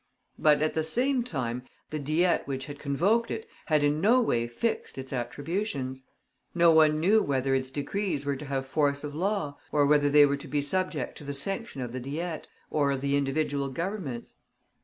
But, at the same time, the Diet which had convoked it had in no way fixed its attributions. No one knew whether its decrees were to have force of law, or whether they were to be subject to the sanction of the Diet, or of the individual Governments.